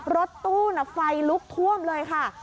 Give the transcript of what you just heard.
รถตู้ไฟลุกท่วมเลยค่ะ